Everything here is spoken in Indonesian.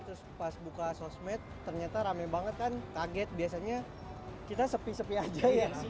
terus pas buka sosmed ternyata rame banget kan kaget biasanya kita sepi sepi aja ya